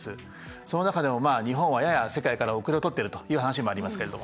その中でも日本はやや世界から後れをとってるという話もありますけれども。